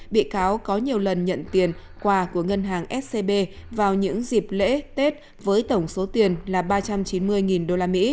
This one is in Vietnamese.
bị cáo có nhiều lần nhận tiền quà của ngân hàng scb vào những dịp lễ tết với tổng số tiền là ba trăm chín mươi usd